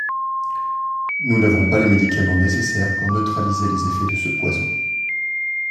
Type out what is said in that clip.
Nous n’avons pas les médicaments nécessaires pour neutraliser les effets de ce poison.